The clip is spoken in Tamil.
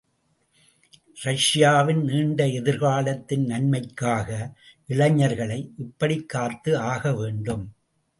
இரஷியாவின் நீண்ட எதிர்காலத்தின் நன்மைக்காக, இளைஞர்களை இப்படிக்காத்து ஆகவேண்டும்.